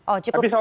oh cukup tenang